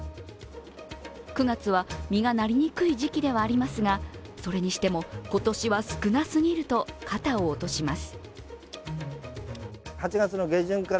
９月は実がなりにくい時期ではありますが、それにしても、今年は少なすぎると肩を落とします。